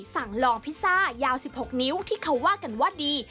สั่งลองพิซซ่ายาว๑๖นิ้วที่เขาว่ากันว่าดี